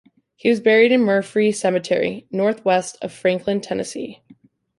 He was buried in Murfree Cemetery, northwest of Franklin, Tennessee.